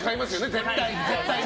絶対。